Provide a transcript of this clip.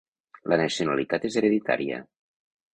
La nacionalitat és hereditària.